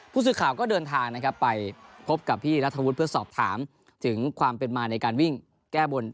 ผู้สื่อข่าวก็เดินทางนะครับไปพบกับพี่นัทธวุฒิเพื่อสอบถามถึงความเป็นมาในการวิ่งแก้บน